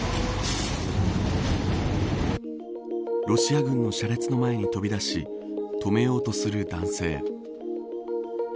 ロシア軍の車列の前に飛び出し止めようとする男性。